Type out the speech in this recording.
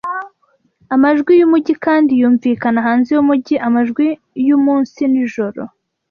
Amajwi yumujyi kandi yumvikana hanze yumujyi, amajwi yumunsi nijoro,